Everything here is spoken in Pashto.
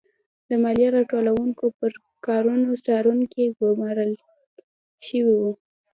د مالیه راټولوونکو پر کارونو څارونکي ګورمال شوي وو.